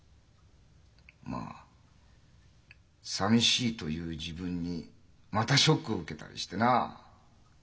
まあさみしいという自分にまたショックを受けたりしてな。